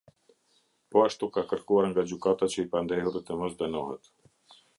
Po ashtu ka kërkuar nga gjykata që i pandehuri të mos dënohet.